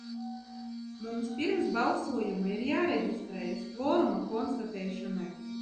Mums pirms balsojuma ir jāreģistrējas kvoruma konstatēšanai.